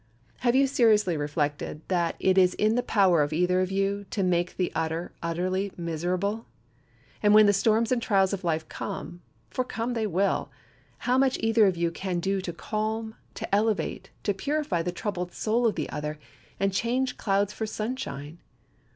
Have you seriously reflected that it is in the power of either of you to make the other utterly miserable? And when the storms and trials of life come, for come they will, how much either of you can do to calm, to elevate, to purify the troubled spirit of the other, and change clouds for sunshine!